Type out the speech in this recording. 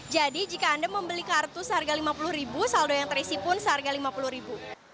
jadi jika anda membeli kartu seharga rp lima puluh saldo yang terisi pun seharga rp lima puluh